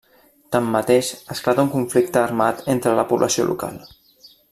Tanmateix, esclata un conflicte armat entre la població local.